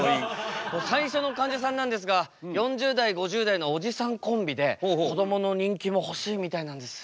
最初のかんじゃさんなんですが４０代５０代のおじさんコンビでこどもの人気も欲しいみたいなんです。